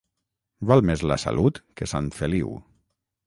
Val més la Salut que Sant Feliu.